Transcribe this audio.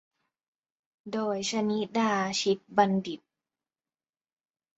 โดย ชนิดา ชิตบัณฑิตย์